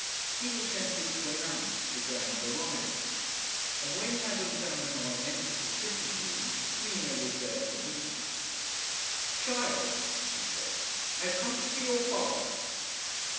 He was sent in to announce the grand arrival, and when Madame Zamenoy entered the sitting room Nina was there to meet her. "Child," she said, "I have come to see your father."